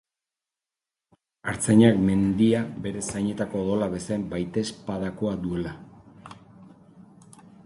Artzainak mendia bere zainetako odola bezain baitezpadako duela.